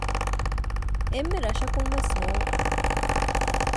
އެންމެ ރަށަކުން ވެސް ނޫން